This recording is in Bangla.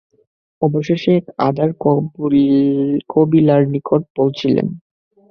অবশেষে এক আরব কবীলার নিকট পৌঁছলেন।